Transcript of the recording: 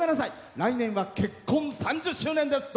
来年は結婚３０周年です。